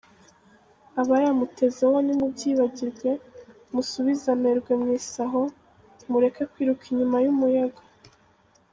Abayamutezeho nimubyibagirwe, musubize amerwemw’isaho, mureke kwiruka inyuma y’imiyaga.